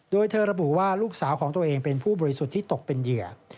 โดยเธอระบุว่าลูกสาวของตัวเองเป็นผู้บริสุทธิ์ที่ตกเป็นเหยื่อ